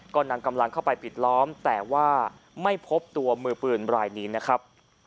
ก็นำกำลังเข้าไปปิดล้อมแต่ว่าไม่พบตัวมือปืนรายนี้นะครับ